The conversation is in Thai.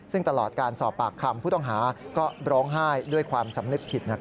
ซึ่งตลอดการสอบปากคำผู้ต้องหาก็ร้องไห้ด้วยความสำนึกผิด